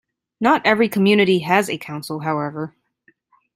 Not every community has a council, however.